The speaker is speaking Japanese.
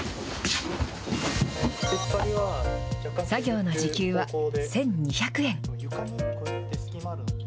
作業の時給は１２００円。